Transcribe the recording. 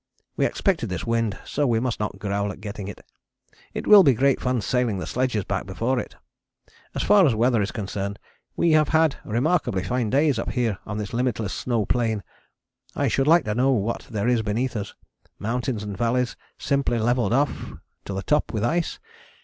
We expected this wind, so we must not growl at getting it. It will be great fun sailing the sledges back before it. As far as weather is concerned we have had remarkably fine days up here on this limitless snow plain. I should like to know what there is beneath us mountains and valleys simply levelled off to the top with ice?